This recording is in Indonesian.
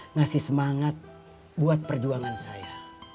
ngasih semangat buat perjuangan saya